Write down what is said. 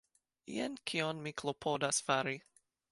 Jen kion mi klopodas fari.